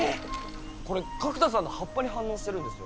これ角田さんの葉っぱに反応してるんですよ。